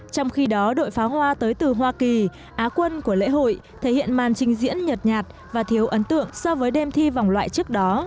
trong khi đó đội pháo hoa tới từ hoa kỳ á quân của lễ hội thể hiện màn trình diễn nhật nhạt và thiếu ấn tượng so với đêm thi vòng loại trước đó